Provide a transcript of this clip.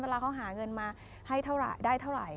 เรามีเงินมาให้เท่าไหร่